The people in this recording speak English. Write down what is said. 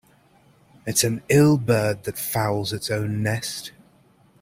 It's an ill bird that fouls its own nest.